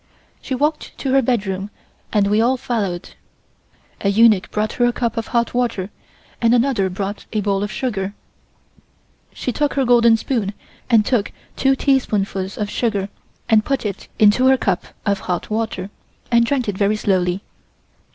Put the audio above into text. She walked to her bedroom and we all followed. A eunuch brought her a cup of hot water and another brought a bowl of sugar. She took her golden spoon and took two teaspoonfuls of sugar and put it into her cup of hot water, and drank it very slowly.